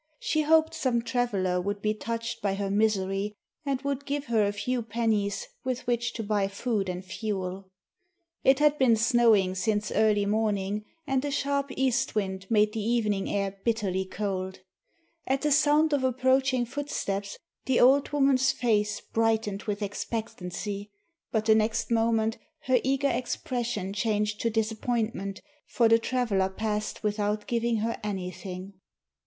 She hoped some traveler would be touched by her misery, and would give her a few pennies with which to buy food and fuel. It had been snowing since early morning, and a sharp east wind made the evening air bitterly cold. At the sound of approaching footsteps the old woman's face brightened with expectancy, but the next moment her eager expression changed to disappointment, for the traveler passed without giving her anything.